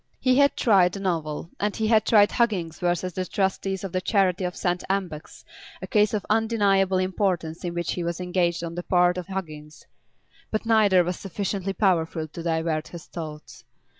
He had tried the novel, and he had tried Huggins v. the Trustees of the Charity of St. Ambox, a case of undeniable importance in which he was engaged on the part of Huggins, but neither was sufficiently powerful to divert his thoughts.